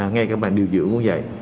ngay cả bàn điều dưỡng cũng vậy